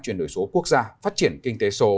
chuyển đổi số quốc gia phát triển kinh tế số